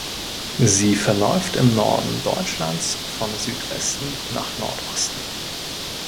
Sie verläuft im Norden Deutschlands von Südwesten nach Nordosten.